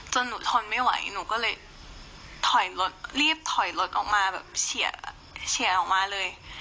จนหนูทนไม่ไหวหนูก็เลยรีบถอยรถออกมาเชียร์ออกมาเลย